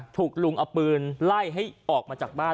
ถูกลุงเอาปืนไล่ให้ออกมาจากบ้าน